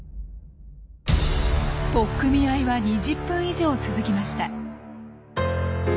取っ組み合いは２０分以上続きました。